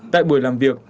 tại buổi làm việc